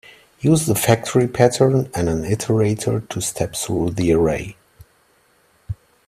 Use the factory pattern and an iterator to step through the array.